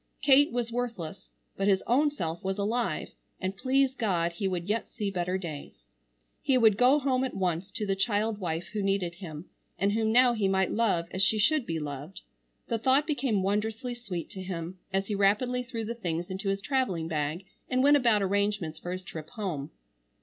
Kate was worthless, but his own self was alive, and please God he would yet see better days. He would go home at once to the child wife who needed him, and whom now he might love as she should be loved. The thought became wondrously sweet to him as he rapidly threw the things into his travelling bag and went about arrangements for his trip home.